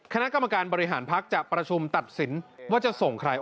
คณะกรรมการบริหารภักดิ์จะประชุมตัดสินว่าจะส่งใคร